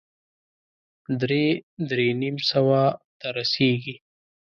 درې- درې نيم سوه ته رسېږي.